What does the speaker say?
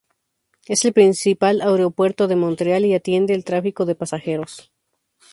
Es el principal aeropuerto de Montreal, y atiende al tráfico de pasajeros.